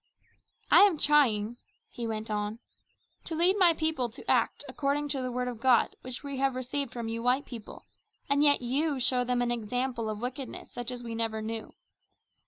"I am trying," he went on, "to lead my people to act according to the word of God which we have received from you white people, and yet you show them an example of wickedness such as we never knew.